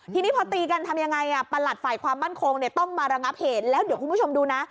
ทีนี้พอตีกันทำยังไงประหลัดฝ่ายความมั่นคงเนี่ยต้องมาระงับเหตุแล้วเดี๋ยวคุณผู้ชมดูนะ